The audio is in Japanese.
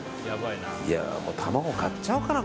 もう卵買っちゃおうかな